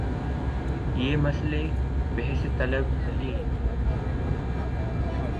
یہ مسئلہ بحث طلب نہیں۔